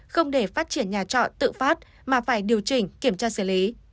không để phát triển nhà trọ tự phát mà phải điều chỉnh kiểm tra xử lý